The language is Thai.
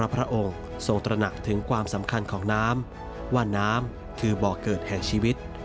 พระองค์ทรงตระหนักถึงความสำคัญของน้ำว่าน้ำคือบ่อเกิดแห่งชีวิต